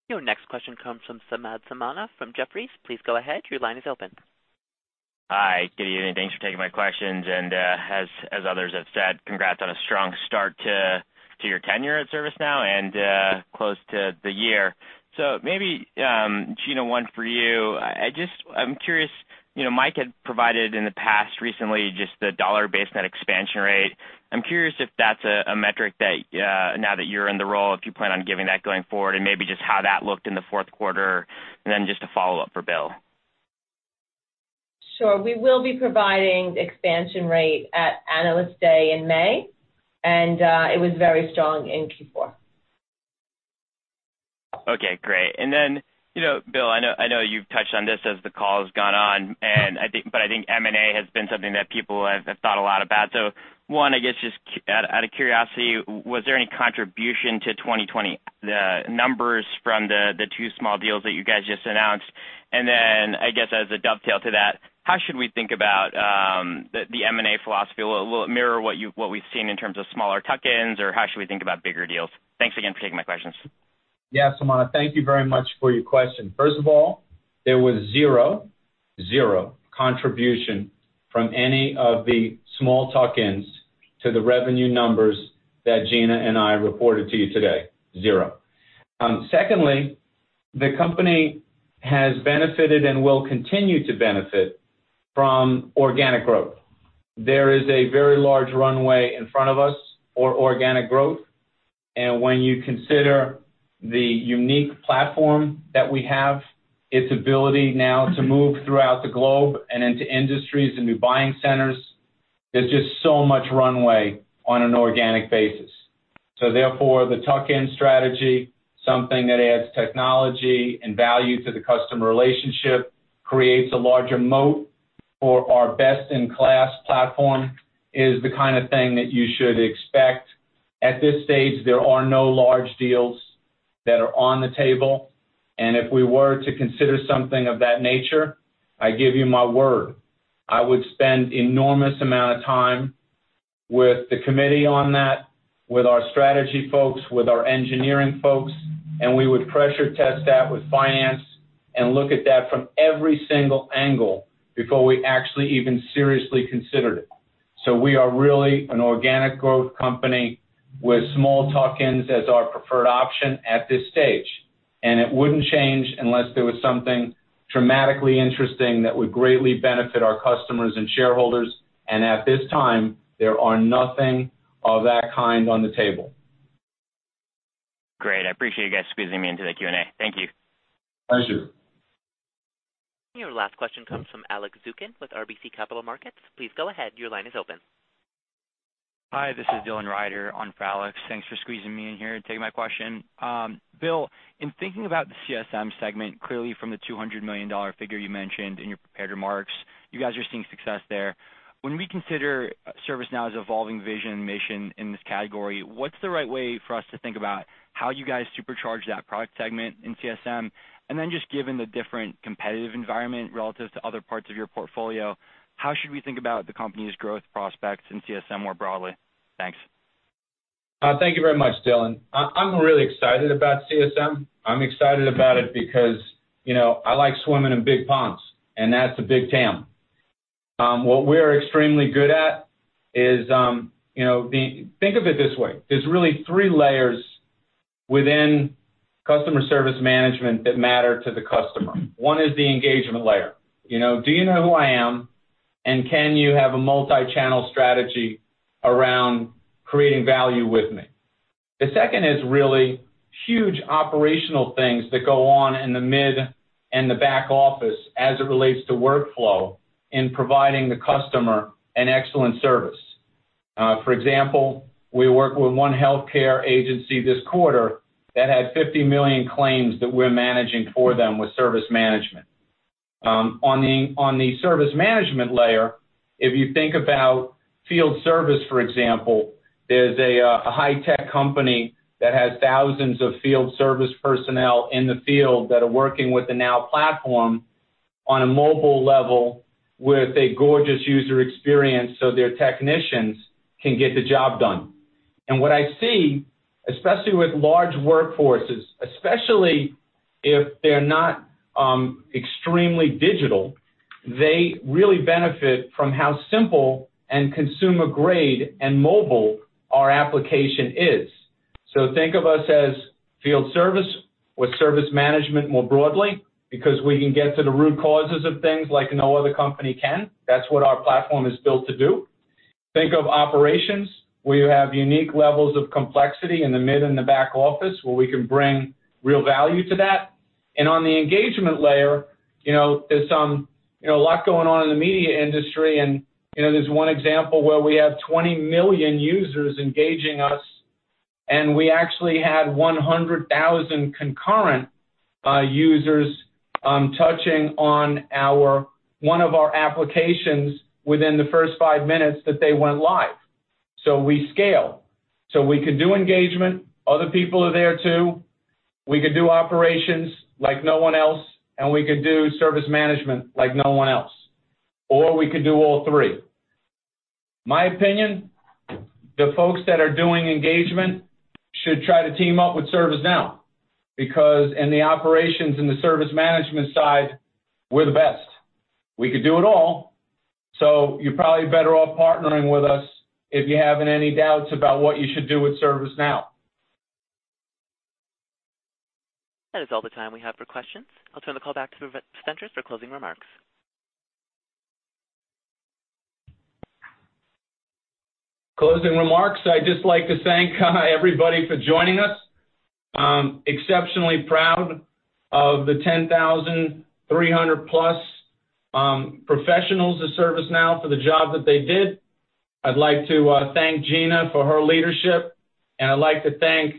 Your next question comes from Samad Samana from Jefferies. Please go ahead. Your line is open. Hi, good evening. Thanks for taking my questions. As others have said, congrats on a strong start to your tenure at ServiceNow and close to the year. Maybe, Gina, one for you. I'm curious, Mike had provided in the past recently just the dollar-based net expansion rate. I'm curious if that's a metric that now that you're in the role, if you plan on giving that going forward, and maybe just how that looked in the fourth quarter, and then just a follow-up for Bill. Sure. We will be providing expansion rate at Analyst Day in May. It was very strong in Q4. Okay, great. Bill, I know you've touched on this as the call has gone on, I think M&A has been something that people have thought a lot about. One, I guess just out of curiosity, was there any contribution to 2020, the numbers from the two small deals that you guys just announced? I guess as a dovetail to that, how should we think about the M&A philosophy? Will it mirror what we've seen in terms of smaller tuck-ins, or how should we think about bigger deals? Thanks again for taking my questions. Yeah, Samana, thank you very much for your question. First of all, there was zero contribution from any of the small tuck-ins to the revenue numbers that Gina and I reported to you today. Zero. Secondly, the company has benefited and will continue to benefit from organic growth. There is a very large runway in front of us for organic growth. When you consider the unique platform that we have, its ability now to move throughout the globe and into industries and new buying centers, there's just so much runway on an organic basis. Therefore, the tuck-in strategy, something that adds technology and value to the customer relationship, creates a larger moat for our best-in-class platform, is the kind of thing that you should expect. At this stage, there are no large deals that are on the table. If we were to consider something of that nature, I give you my word, I would spend enormous amount of time with the committee on that, with our strategy folks, with our engineering folks, and we would pressure test that with finance and look at that from every single angle before we actually even seriously considered it. We are really an organic growth company with small tuck-ins as our preferred option at this stage. It wouldn't change unless there was something dramatically interesting that would greatly benefit our customers and shareholders. At this time, there are nothing of that kind on the table. Great. I appreciate you guys squeezing me into the Q&A. Thank you. Pleasure. Your last question comes from Alex Zukin with RBC Capital Markets. Please go ahead. Your line is open. Hi, this is Dylan Ryder on for Alex. Thanks for squeezing me in here and taking my question. Bill, in thinking about the CSM segment, clearly from the $200 million figure you mentioned in your prepared remarks, you guys are seeing success there. When we consider ServiceNow's evolving vision and mission in this category, what's the right way for us to think about how you guys supercharge that product segment in CSM? Then just given the different competitive environment relative to other parts of your portfolio, how should we think about the company's growth prospects in CSM more broadly? Thanks. Thank you very much, Dylan. I'm really excited about CSM. I'm excited about it because I like swimming in big ponds, and that's a big TAM. What we're extremely good at is Think of it this way. There's really three layers within Customer Service Management that matter to the customer. One is the engagement layer. Do you know who I am, and can you have a multi-channel strategy around creating value with me? The second is really huge operational things that go on in the mid and the back office as it relates to workflow in providing the customer an excellent service. For example, we work with one healthcare agency this quarter that had 50 million claims that we're managing for them with service management. On the service management layer, if you think about field service, for example, there's a high-tech company that has thousands of field service personnel in the field that are working with the Now Platform on a mobile level with a gorgeous user experience so their technicians can get the job done. What I see, especially with large workforces, especially if they're not extremely digital, they really benefit from how simple and consumer grade and mobile our application is. Think of us as field service with service management more broadly, because we can get to the root causes of things like no other company can. That's what our platform is built to do. Think of operations, where you have unique levels of complexity in the mid and the back office, where we can bring real value to that. On the engagement layer, there's a lot going on in the media industry. There's one example where we have 20 million users engaging us. We actually had 100,000 concurrent users touching on one of our applications within the first five minutes that they went live. We scale. We could do engagement. Other people are there too. We could do operations like no one else. We could do service management like no one else, or we could do all three. My opinion, the folks that are doing engagement should try to team up with ServiceNow, because in the operations and the service management side, we're the best. We could do it all. You're probably better off partnering with us if you're having any doubts about what you should do with ServiceNow. That is all the time we have for questions. I'll turn the call back to the presenters for closing remarks. Closing remarks, I'd just like to thank everybody for joining us. Exceptionally proud of the 10,300-plus professionals of ServiceNow for the job that they did. I'd like to thank Gina for her leadership, and I'd like to thank,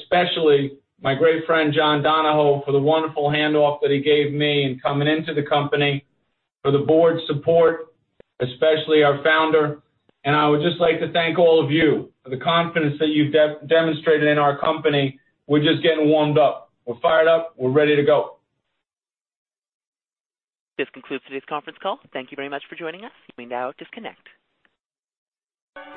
especially, my great friend John Donahoe for the wonderful handoff that he gave me in coming into the company, for the board's support, especially our Founder. I would just like to thank all of you for the confidence that you've demonstrated in our company. We're just getting warmed up. We're fired up. We're ready to go. This concludes today's conference call. Thank you very much for joining us. You may now disconnect.